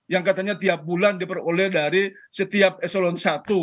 yang katanya tiap bulan diperoleh dari setiap eselon i